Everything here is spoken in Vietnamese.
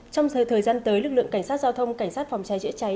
trong thời gian tới lực lượng cảnh sát giao thông cảnh sát phòng cháy chữa cháy